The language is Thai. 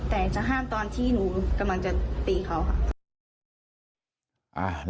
แต่จะห้ามตอนที่หนูกำลังจะตีเขาค่ะ